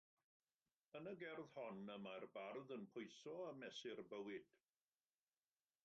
Yn y gerdd hon, y mae'r bardd yn pwyso a mesur bywyd.